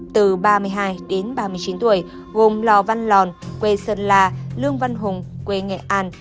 từ ba mươi hai đến ba mươi chín tuổi gồm lò văn lòn quê sơn la lương văn hùng quê nghệ an